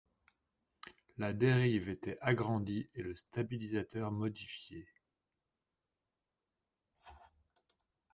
La dérive était agrandie et le stabilisateur modifié.